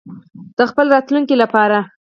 د خپل راتلونکي لپاره.